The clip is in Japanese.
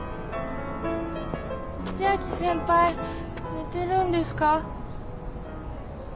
千秋先輩寝てるんですか？